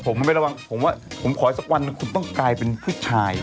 ผมไม่ระวังผมว่าผมขออีกสักวันหนึ่งคุณต้องกลายเป็นผู้ชาย